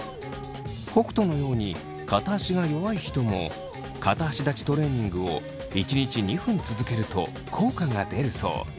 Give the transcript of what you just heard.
北斗のように片足が弱い人も片足立ちトレーニングを１日２分続けると効果が出るそう。